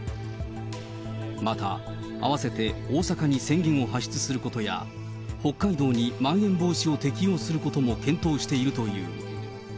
また、併せて大阪に宣言を発出することや、北海道にまん延防止を適用することも検討しているという。